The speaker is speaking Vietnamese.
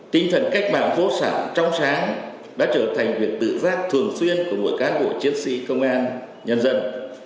tinh thần cách mạng vô sản trong sáng đã trở thành việc tự giác thường xuyên của mỗi cán bộ chiến sĩ công an nhân dân